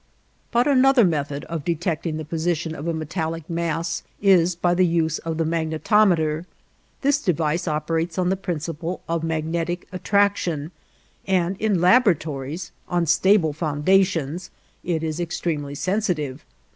But another method of detecting the position of a metallic mass is by the use of the magnetometer. This device operates on the principle of magnetic attraction, and in laboratories on stable foundations it is extremely sensitive.